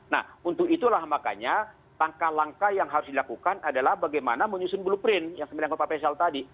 nah untuk itulah makanya langkah langkah yang harus dilakukan adalah bagaimana menyusun blueprint yang sebenarnya pak faisal tadi